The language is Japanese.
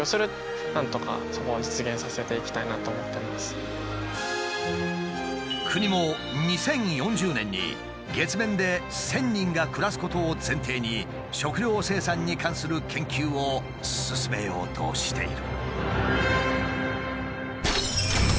近い将来国も２０４０年に月面で１，０００人が暮らすことを前提に食料生産に関する研究を進めようとしている。